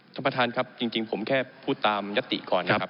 ท่านประธานครับจริงผมแค่พูดตามยติก่อนนะครับ